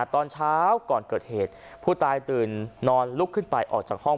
ตอนเช้าก่อนเกิดเหตุผู้ตายตื่นนอนลุกขึ้นไปออกจากห้อง